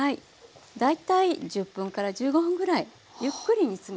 大体１０分から１５分ぐらいゆっくり煮詰めて下さい。